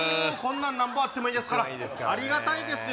なんぼあってもいいですからありがたいですよ